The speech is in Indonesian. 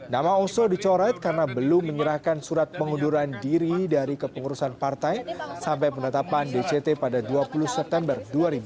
nama oso dicoret karena belum menyerahkan surat pengunduran diri dari kepengurusan partai sampai penetapan dct pada dua puluh september dua ribu dua puluh